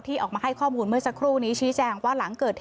ออกมาให้ข้อมูลเมื่อสักครู่นี้ชี้แจงว่าหลังเกิดเหตุ